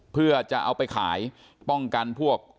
เพื่อจะเอาไปขายป้องกันพวก